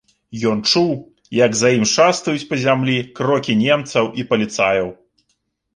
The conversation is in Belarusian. Ён чуў, як за ім шастаюць па зямлі крокі немцаў і паліцаяў.